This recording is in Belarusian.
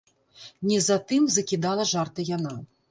Не затым закідала жарты яна.